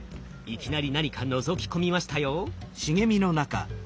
いきなり何かのぞき込みましたよ。